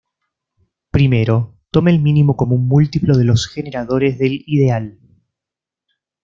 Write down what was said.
Primero, tome el mínimo común múltiplo de los generadores del ideal.